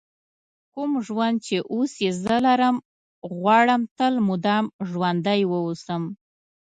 کوم ژوند چې اوس یې زه لرم غواړم تل مدام ژوندی ووسم.